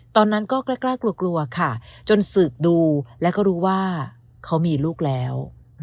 ตอนนั้นก็กล้ากลัวกลัวค่ะจนสืบดูแล้วก็รู้ว่าเขามีลูกแล้ว